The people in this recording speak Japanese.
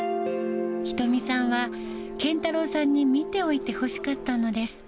仁美さんは謙太郎さんに見ておいてほしかったのです。